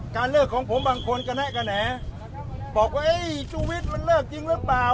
เลิกของผมบางคนกระแนะกระแหนบอกว่าชูวิทย์มันเลิกจริงหรือเปล่า